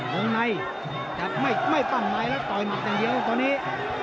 ลงในจับไม่ปั้นไว้แล้วต่อยหมัดกันเยอะตอนนี้